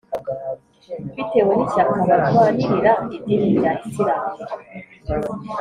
bitewe n’ishyaka barwanirira idini rya isilamu